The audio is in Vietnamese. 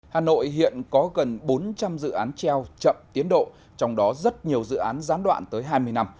hà nội hiện có gần bốn trăm linh dự án treo chậm tiến độ trong đó rất nhiều dự án gián đoạn tới hai mươi năm